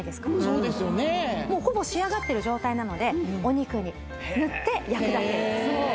そうですよねもうほぼ仕上がってる状態なのでお肉に塗って焼くだけですへえ・